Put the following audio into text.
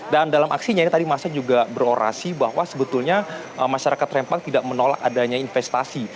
dan dalam aksinya ini tadi massa juga berorasi bahwa sebetulnya masyarakat rempang tidak menolak adanya investasi